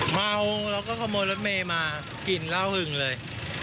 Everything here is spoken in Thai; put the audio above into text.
เมาแล้วก็ขโมยรถเมย์มากลิ่นเหล้าหึงเลย